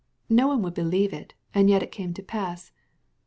No one would believe it, but it came to pass.